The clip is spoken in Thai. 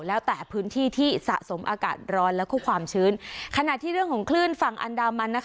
แล้วแต่พื้นที่ที่สะสมอากาศร้อนแล้วก็ความชื้นขณะที่เรื่องของคลื่นฝั่งอันดามันนะคะ